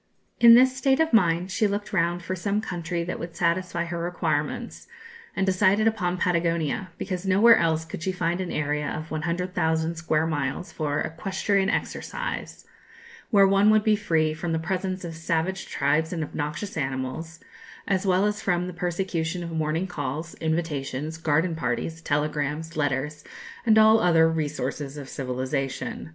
In this state of mind she looked round for some country that would satisfy her requirements, and decided upon Patagonia, because nowhere else could she find an area of 100,000 square miles for "equestrian exercise," where one would be free from the presence of savage tribes and obnoxious animals, as well as from the persecution of morning calls, invitations, garden parties, telegrams, letters, and all the other "resources of civilization."